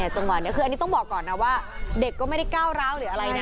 จังหวะนี้คืออันนี้ต้องบอกก่อนนะว่าเด็กก็ไม่ได้ก้าวร้าวหรืออะไรนะ